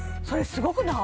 すごくない？